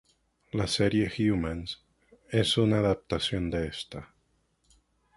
La serie "Humans" es una adaptación de esta.